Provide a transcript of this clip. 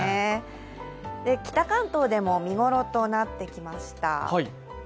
北関東でも見頃となってきました。